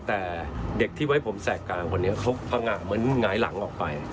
แต่เด็กที่ไว้ผมแสกกลางคนนี้เขาพังงะเหมือนหงายหลังออกไป